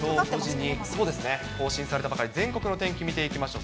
更新されたばかり、全国の天気見ていきましょう。